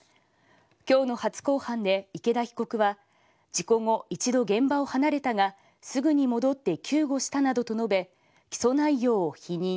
今日の初公判で、池田被告は事故後、一度現場を離れたがすぐに戻って救護したなどと述べ起訴内容を否認。